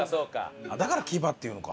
だから『キバ』っていうのか。